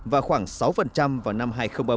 và khoảng sáu vào năm hai nghìn ba mươi